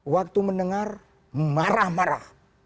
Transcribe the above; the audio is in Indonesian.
waktu mendengar marah marah